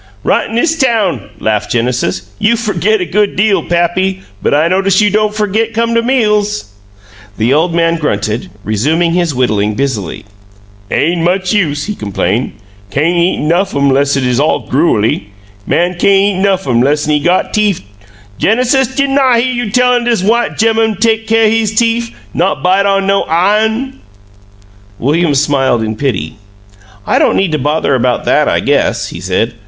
"Right 'n 'is town," laughed Genesis. "You fergit a good deal, pappy, but I notice you don' fergit come to meals!" The old man grunted, resuming his whittling busily. "Hain' much use," he complained. "Cain' eat nuff'm 'lessen it all gruelly. Man cain' eat nuff'm 'lessen he got teef. Genesis, di'n' I hyuh you tellin' dis white gemmun take caih his teef not bite on no i'on?" William smiled in pity. "I don't need to bother about that, I guess," he said.